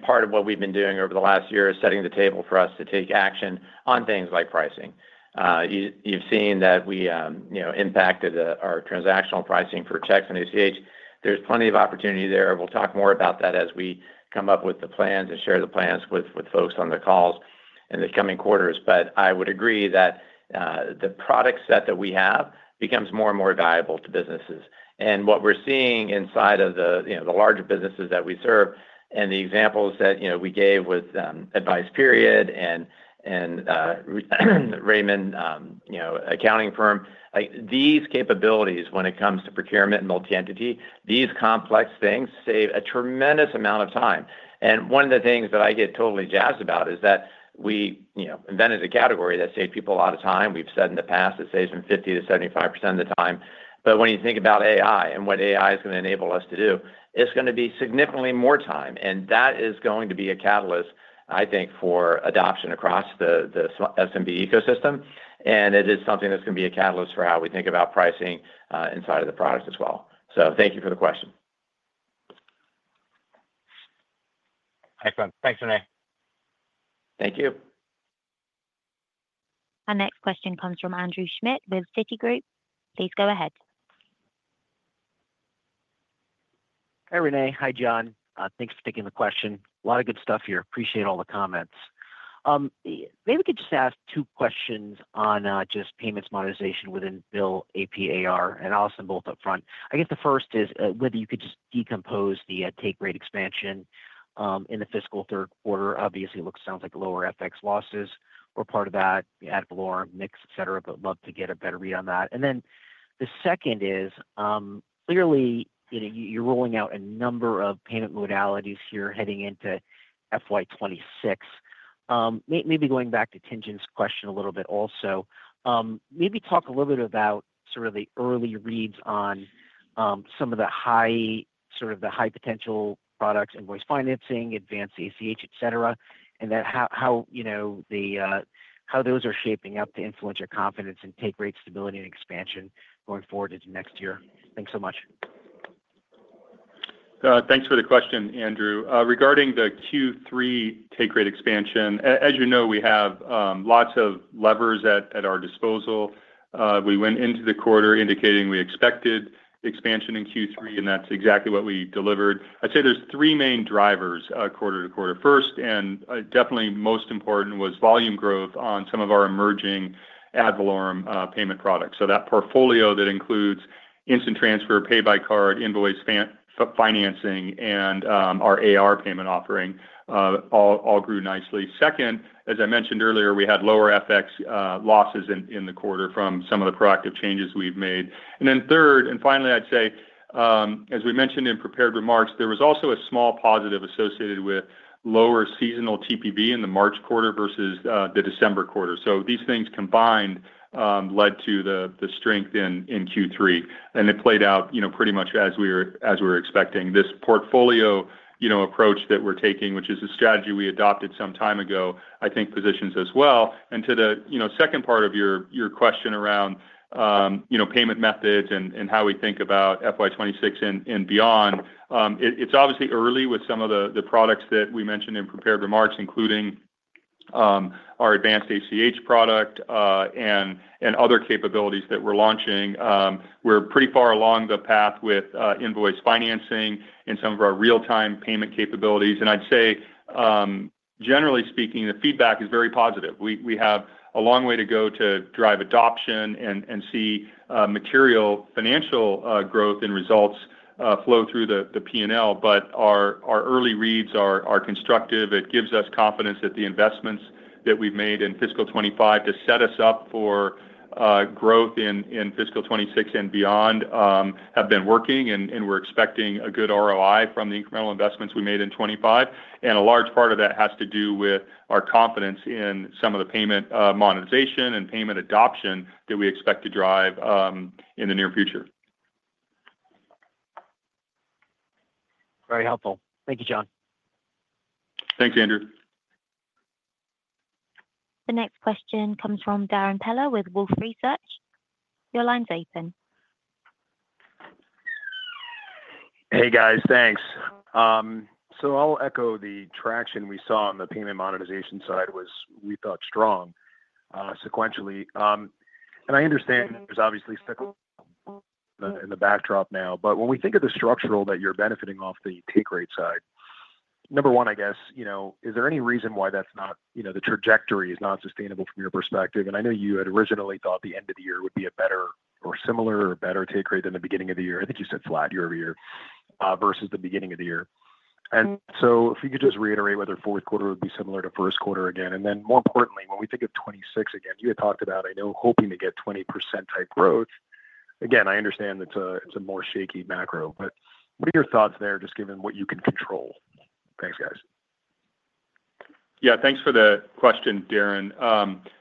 Part of what we've been doing over the last year is setting the table for us to take action on things like pricing. You've seen that we impacted our transactional pricing for checks and ACH. There's plenty of opportunity there. We'll talk more about that as we come up with the plans and share the plans with folks on the calls in the coming quarters. I would agree that the product set that we have becomes more and more valuable to businesses. What we're seeing inside of the larger businesses that we serve and the examples that we gave with AdvicePeriod and Raymond Accounting Firm, these capabilities, when it comes to procurement and multi-entity, these complex things save a tremendous amount of time. One of the things that I get totally jazzed about is that we invented a category that saved people a lot of time. We've said in the past it saves them 50%-75% of the time. When you think about AI and what AI is going to enable us to do, it's going to be significantly more time. That is going to be a catalyst, I think, for adoption across the SMB ecosystem. It is something that's going to be a catalyst for how we think about pricing inside of the product as well. Thank you for the question. Excellent. Thanks, René. Thank you. Our next question comes from Andrew Schmidt with Citigroup. Please go ahead. Hey, René. Hi, John. Thanks for taking the question. A lot of good stuff here. Appreciate all the comments. Maybe we could just ask two questions on just payments monetization within BILL APAR. And I'll ask them both upfront. I guess the first is whether you could just decompose the take rate expansion in the fiscal third quarter. Obviously, it sounds like lower FX losses were part of that, ad valorem, mix, etc., but would love to get a better read on that. And then the second is, clearly, you're rolling out a number of payment modalities here heading into FY 2026. Maybe going back to Tien-tsin's question a little bit also, maybe talk a little bit about sort of the early reads on some of the high sort of the high potential products, invoice financing, Advanced ACH, etc., and then how those are shaping up to influence your confidence in take rate stability and expansion going forward into next year. Thanks so much. Thanks for the question, Andrew. Regarding the Q3 take rate expansion, as you know, we have lots of levers at our disposal. We went into the quarter indicating we expected expansion in Q3, and that's exactly what we delivered. I'd say there's three main drivers quarter to quarter. First, and definitely most important, was volume growth on some of our emerging ad valorem payment products. So that portfolio that includes Instant Transfer, Pay-by-Card, invoice financing, and our AR payment offering all grew nicely. Second, as I mentioned earlier, we had lower FX losses in the quarter from some of the proactive changes we've made. Third, and finally, I'd say, as we mentioned in prepared remarks, there was also a small positive associated with lower seasonal TPV in the March quarter versus the December quarter. These things combined led to the strength in Q3. It played out pretty much as we were expecting. This portfolio approach that we're taking, which is a strategy we adopted some time ago, I think positions us well. To the second part of your question around payment methods and how we think about FY 2026 and beyond, it's obviously early with some of the products that we mentioned in prepared remarks, including our Advanced ACH product and other capabilities that we're launching. We're pretty far along the path with invoice financing and some of our real-time payment capabilities. I'd say, generally speaking, the feedback is very positive. We have a long way to go to drive adoption and see material financial growth and results flow through the P&L. Our early reads are constructive. It gives us confidence that the investments that we've made in fiscal 2025 to set us up for growth in fiscal 2026 and beyond have been working, and we're expecting a good ROI from the incremental investments we made in 2025. A large part of that has to do with our confidence in some of the payment monetization and payment adoption that we expect to drive in the near future. Very helpful. Thank you, John. Thanks, Andrew. The next question comes from Darrin Peller with Wolfe Research. Your line's open. Hey, guys. Thanks. I'll echo the traction we saw on the payment monetization side was, we thought, strong sequentially. I understand there's obviously stuck in the backdrop now. When we think of the structural that you're benefiting off the take rate side, number one, I guess, is there any reason why that's not the trajectory is not sustainable from your perspective? I know you had originally thought the end of the year would be a better or similar or better take rate than the beginning of the year. I think you said flat year over year versus the beginning of the year. If you could just reiterate whether fourth quarter would be similar to first quarter again. More importantly, when we think of 2026 again, you had talked about, I know, hoping to get 20% type growth. Again, I understand it's a more shaky macro, but what are your thoughts there, just given what you can control? Thanks, guys. Yeah. Thanks for the question, Darrin.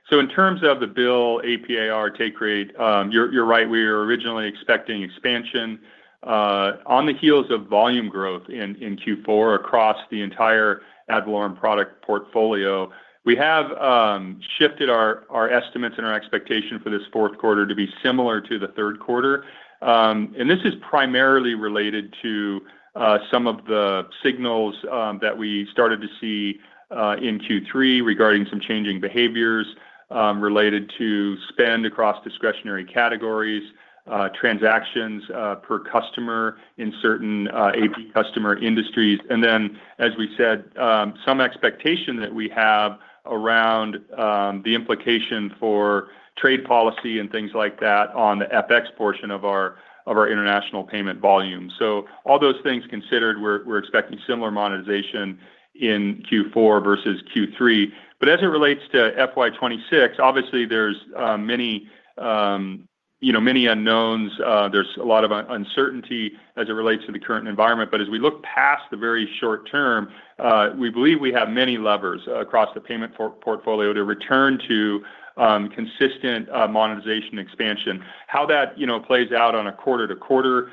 In terms of the BILL APAR take rate, you're right. We were originally expecting expansion. On the heels of volume growth in Q4 across the entire ad valorem product portfolio, we have shifted our estimates and our expectation for this fourth quarter to be similar to the third quarter. This is primarily related to some of the signals that we started to see in Q3 regarding some changing behaviors related to spend across discretionary categories, transactions per customer in certain AP customer industries. As we said, some expectation that we have around the implication for trade policy and things like that on the FX portion of our international payment volume. All those things considered, we're expecting similar monetization in Q4 versus Q3. As it relates to FY 2026, obviously, there's many unknowns. There's a lot of uncertainty as it relates to the current environment. As we look past the very short term, we believe we have many levers across the payment portfolio to return to consistent monetization expansion. How that plays out on a quarter-to-quarter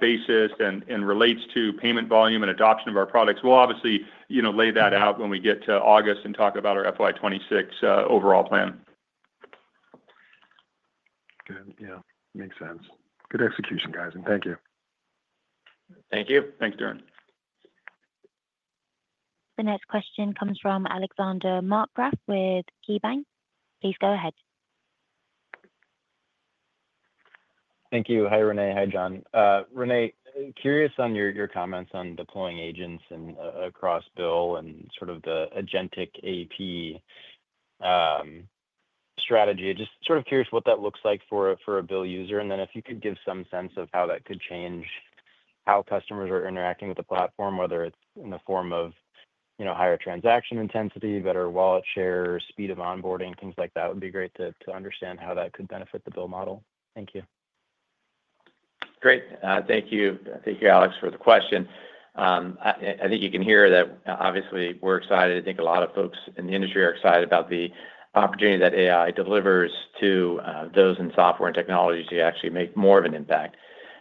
basis and relates to payment volume and adoption of our products, we'll obviously lay that out when we get to August and talk about our FY 2026 overall plan. Good. Yeah. Makes sense. Good execution, guys. Thank you. Thank you. Thanks, Darrin. The next question comes from Alexander Margraf with KeyBank. Please go ahead. Thank you. Hi, René. Hi, John. René, curious on your comments on deploying agents across BILL and sort of the agentic AP strategy. Just sort of curious what that looks like for a BILL user. And then if you could give some sense of how that could change how customers are interacting with the platform, whether it's in the form of higher transaction intensity, better wallet share, speed of onboarding, things like that, would be great to understand how that could benefit the BILL model. Thank you. Great. Thank you, Alex, for the question. I think you can hear that, obviously, we're excited. I think a lot of folks in the industry are excited about the opportunity that AI delivers to those in software and technology to actually make more of an impact.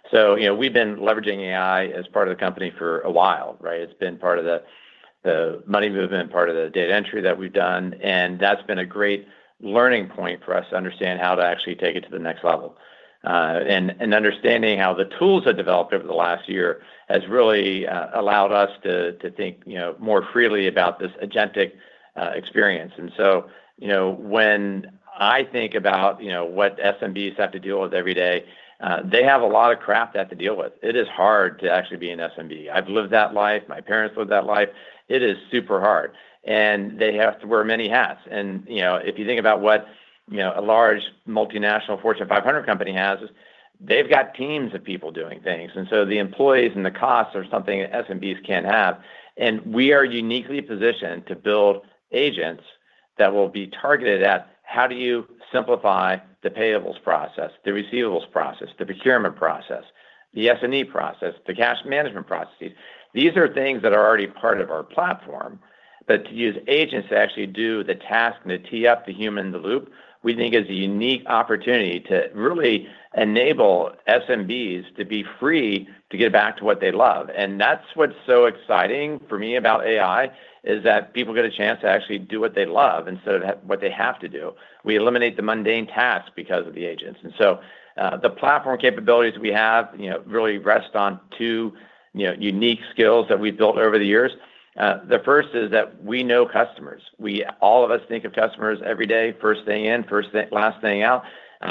So we've been leveraging AI as part of the company for a while, right? It's been part of the money movement, part of the data entry that we've done. That has been a great learning point for us to understand how to actually take it to the next level. Understanding how the tools have developed over the last year has really allowed us to think more freely about this agentic experience. When I think about what SMBs have to deal with every day, they have a lot of crap they have to deal with. It is hard to actually be an SMB. I've lived that life. My parents lived that life. It is super hard. They have to wear many hats. If you think about what a large multinational Fortune 500 company has, they've got teams of people doing things. The employees and the costs are something SMBs can't have. We are uniquely positioned to build agents that will be targeted at how do you simplify the payables process, the receivables process, the procurement process, the S&E process, the cash management processes. These are things that are already part of our platform. To use agents to actually do the task and to tee up the human in the loop, we think is a unique opportunity to really enable SMBs to be free to get back to what they love. That is what's so exciting for me about AI, that people get a chance to actually do what they love instead of what they have to do. We eliminate the mundane tasks because of the agents. The platform capabilities we have really rest on two unique skills that we've built over the years. The first is that we know customers. All of us think of customers every day, first thing in, last thing out.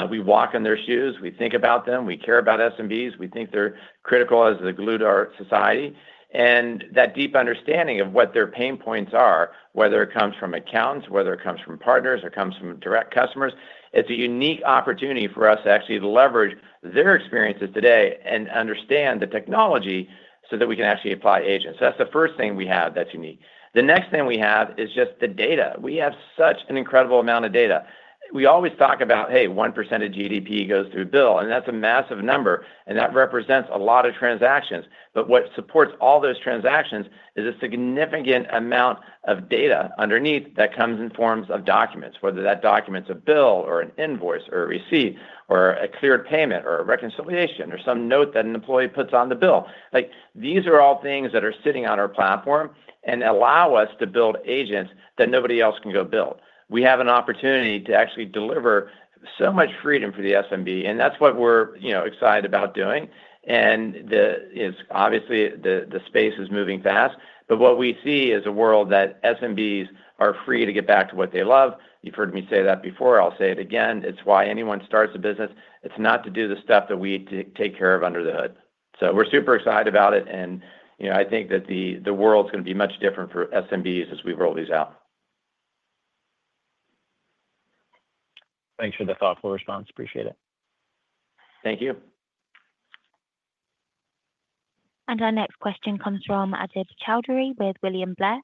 We walk in their shoes. We think about them. We care about SMBs. We think they're critical as they're glued to our society. That deep understanding of what their pain points are, whether it comes from accounts, whether it comes from partners, or comes from direct customers, it's a unique opportunity for us to actually leverage their experiences today and understand the technology so that we can actually apply agents. That's the first thing we have that's unique. The next thing we have is just the data. We have such an incredible amount of data. We always talk about, "Hey, 1% of GDP goes through BILL." That's a massive number. That represents a lot of transactions. What supports all those transactions is a significant amount of data underneath that comes in forms of documents, whether that document's a bill or an invoice or a receipt or a cleared payment or a reconciliation or some note that an employee puts on the bill. These are all things that are sitting on our platform and allow us to build agents that nobody else can go build. We have an opportunity to actually deliver so much freedom for the SMB. That is what we're excited about doing. Obviously, the space is moving fast. What we see is a world that SMBs are free to get back to what they love. You've heard me say that before. I'll say it again. It's why anyone starts a business. It's not to do the stuff that we take care of under the hood. We're super excited about it. I think that the world's going to be much different for SMBs as we roll these out. Thanks for the thoughtful response. Appreciate it. Thank you. Our next question comes from Adib Choudhury with William Blair.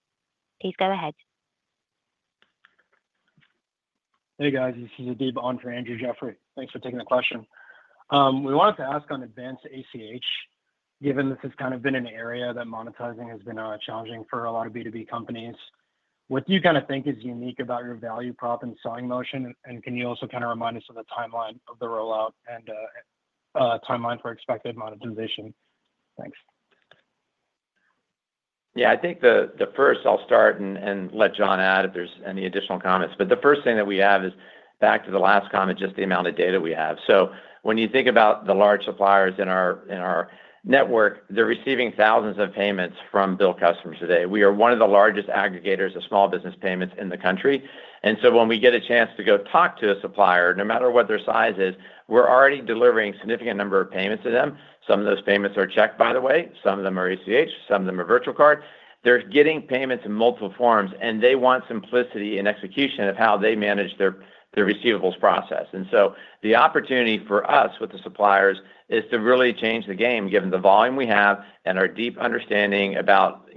Please go ahead. Hey, guys. This is Adib on for Andrew Jeffrey. Thanks for taking the question. We wanted to ask on Advanced ACH, given this has kind of been an area that monetizing has been challenging for a lot of B2B companies. What do you kind of think is unique about your value prop and selling motion? Can you also kind of remind us of the timeline of the rollout and timeline for expected monetization? Thanks. Yeah. I think the first, I'll start and let John add if there's any additional comments. The first thing that we have is back to the last comment, just the amount of data we have. When you think about the large suppliers in our network, they're receiving thousands of payments from BILL customers today. We are one of the largest aggregators of small business payments in the country. When we get a chance to go talk to a supplier, no matter what their size is, we're already delivering a significant number of payments to them. Some of those payments are check, by the way. Some of them are ACH. Some of them are virtual card. They're getting payments in multiple forms, and they want simplicity in execution of how they manage their receivables process. The opportunity for us with the suppliers is to really change the game, given the volume we have and our deep understanding about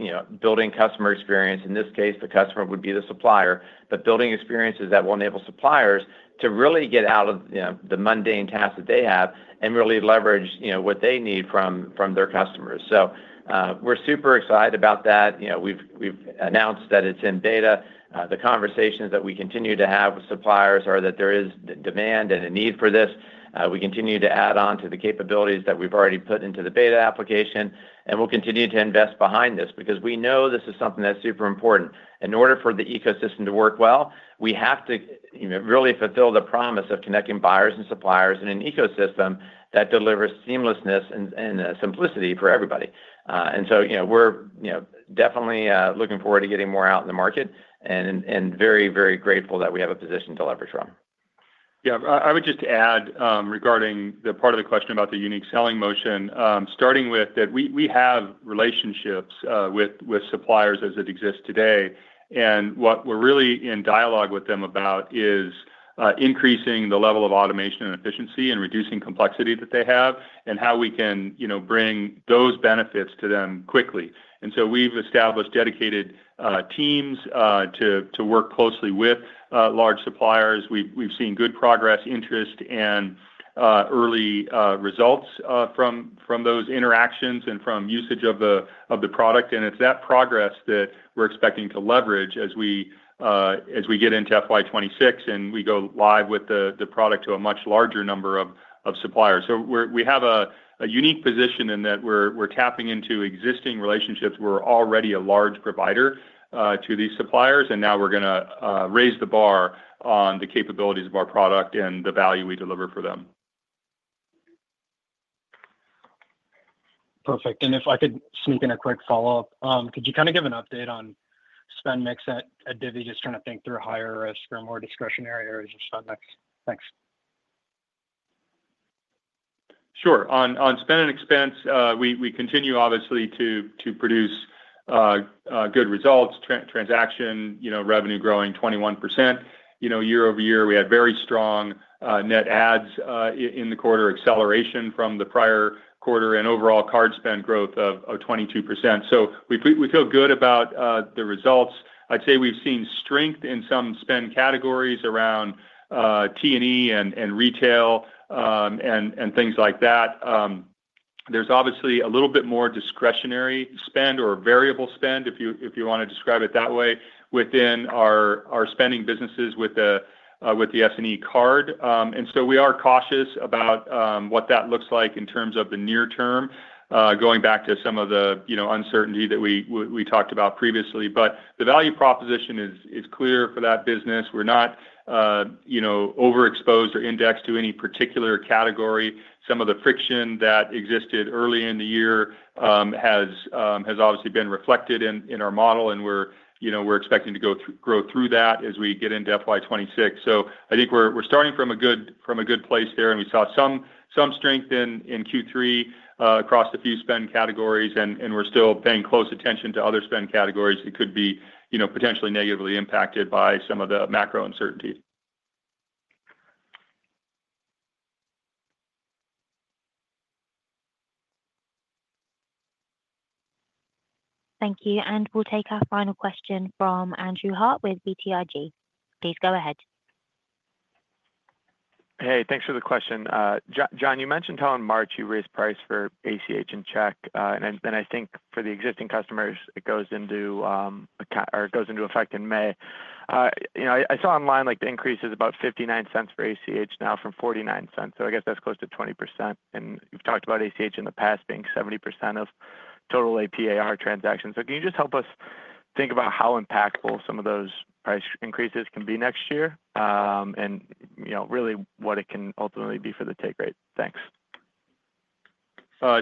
building customer experience. In this case, the customer would be the supplier, but building experiences that will enable suppliers to really get out of the mundane tasks that they have and really leverage what they need from their customers. We are super excited about that. We have announced that it is in beta. The conversations that we continue to have with suppliers are that there is demand and a need for this. We continue to add on to the capabilities that we have already put into the beta application. We will continue to invest behind this because we know this is something that is super important. In order for the ecosystem to work well, we have to really fulfill the promise of connecting buyers and suppliers in an ecosystem that delivers seamlessness and simplicity for everybody. We're definitely looking forward to getting more out in the market and very, very grateful that we have a position to leverage from. I would just add regarding the part of the question about the unique selling motion, starting with that we have relationships with suppliers as it exists today. What we're really in dialogue with them about is increasing the level of automation and efficiency and reducing complexity that they have and how we can bring those benefits to them quickly. We have established dedicated teams to work closely with large suppliers. We've seen good progress, interest, and early results from those interactions and from usage of the product. It's that progress that we're expecting to leverage as we get into FY 2026 and we go live with the product to a much larger number of suppliers. We have a unique position in that we're tapping into existing relationships. We're already a large provider to these suppliers. Now we're going to raise the bar on the capabilities of our product and the value we deliver for them. Perfect. If I could sneak in a quick follow-up, could you kind of give an update on spend mix at Adib? He's just trying to think through higher risk or more discretionary areas of spend mix. Thanks. Sure. On spend and expense, we continue, obviously, to produce good results, transaction revenue growing 21%. Year over year, we had very strong net adds in the quarter, acceleration from the prior quarter, and overall card spend growth of 22%. We feel good about the results. I'd say we've seen strength in some spend categories around T&E and retail and things like that. There's obviously a little bit more discretionary spend or variable spend, if you want to describe it that way, within our spending businesses with the S&E card. We are cautious about what that looks like in terms of the near term, going back to some of the uncertainty that we talked about previously. The value proposition is clear for that business. We're not overexposed or indexed to any particular category. Some of the friction that existed early in the year has obviously been reflected in our model. We're expecting to grow through that as we get into FY 2026. I think we're starting from a good place there. We saw some strength in Q3 across a few spend categories. We're still paying close attention to other spend categories that could be potentially negatively impacted by some of the macro uncertainty. Thank you. We'll take our final question from Andrew Hart with BTIG. Please go ahead. Hey, thanks for the question. John, you mentioned how in March you raised price for ACH and check. I think for the existing customers, it goes into effect in May. I saw online the increase is about $0.59 for ACH now from $0.49. I guess that's close to 20%. We've talked about ACH in the past being 70% of total APAR transactions. Can you just help us think about how impactful some of those price increases can be next year and really what it can ultimately be for the take rate? Thanks.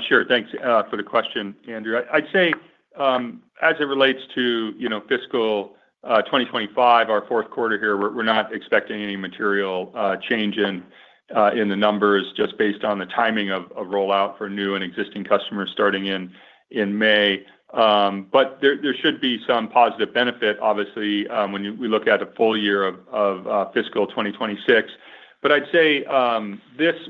Sure. Thanks for the question, Andrew. I'd say as it relates to fiscal 2025, our fourth quarter here, we're not expecting any material change in the numbers just based on the timing of rollout for new and existing customers starting in May. There should be some positive benefit, obviously, when we look at the full year of fiscal 2026. I'd say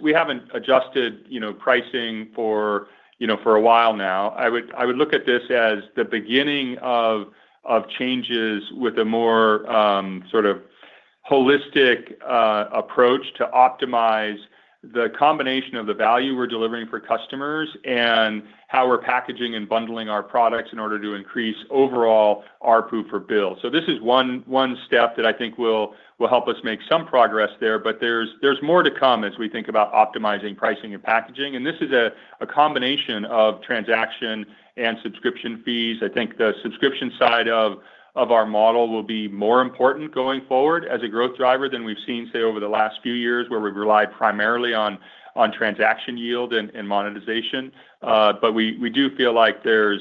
we haven't adjusted pricing for a while now. I would look at this as the beginning of changes with a more sort of holistic approach to optimize the combination of the value we're delivering for customers and how we're packaging and bundling our products in order to increase overall RPU for BILL. This is one step that I think will help us make some progress there. There's more to come as we think about optimizing pricing and packaging. This is a combination of transaction and subscription fees. I think the subscription side of our model will be more important going forward as a growth driver than we've seen, say, over the last few years where we've relied primarily on transaction yield and monetization. We do feel like there's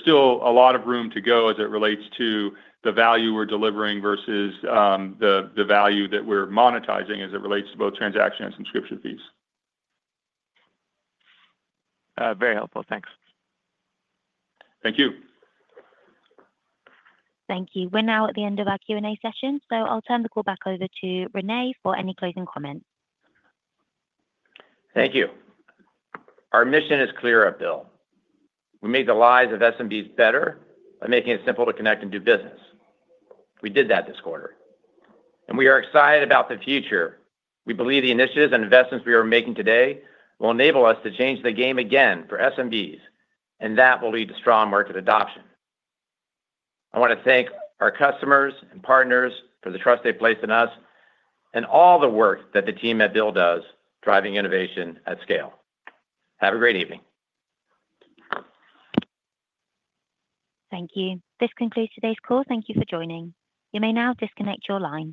still a lot of room to go as it relates to the value we're delivering versus the value that we're monetizing as it relates to both transaction and subscription fees. Very helpful. Thanks. Thank you. Thank you. We're now at the end of our Q&A session. I'll turn the call back over to René for any closing comments. Thank you. Our mission is clearer, BILL. We made the lives of SMBs better by making it simple to connect and do business. We did that this quarter. We are excited about the future. We believe the initiatives and investments we are making today will enable us to change the game again for SMBs. That will lead to strong market adoption. I want to thank our customers and partners for the trust they've placed in us and all the work that the team at BILL does driving innovation at scale. Have a great evening. Thank you. This concludes today's call. Thank you for joining. You may now disconnect your line.